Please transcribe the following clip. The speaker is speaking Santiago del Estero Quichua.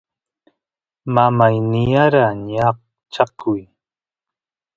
mamay niyara ñaqchakuy